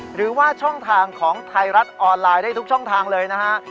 หรือว่าช่องทางของไทยรัฐออนไลน์ได้ทุกช่องทางเลยนะฮะ